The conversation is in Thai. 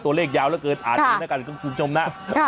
ตัวเลขยาวเหลือเกินอ่านเองด้วยกันคุณผู้ชมนะ